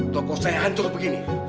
toko saya hancur begini